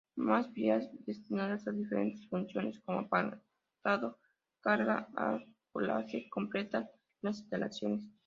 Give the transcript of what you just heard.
Más vías destinadas a diferentes funciones como apartado, carga o garaje completan las instalaciones.